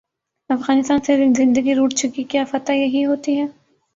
افغانستان سے زندگی روٹھ چکی کیا فتح یہی ہو تی ہے؟